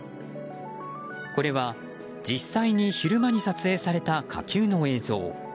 これは実際に昼間に撮影された火球の映像。